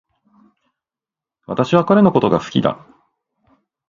私は彼のことが好きだ